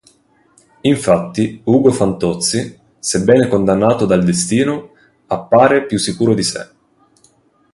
Infatti Ugo Fantozzi, sebbene condannato dal destino, appare più sicuro di sé.